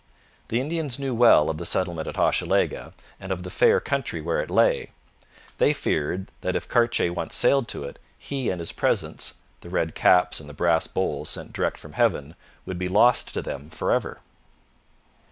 The Indians knew well of the settlement at Hochelaga, and of the fair country where it lay. They feared that if Cartier once sailed to it, he and his presents the red caps and the brass bowls sent direct from heaven would be lost to them for ever.